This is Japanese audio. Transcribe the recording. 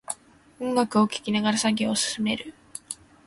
音楽を聴きながら作業を進める